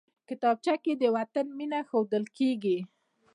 کتابچه کې د وطن مینه ښودل کېږي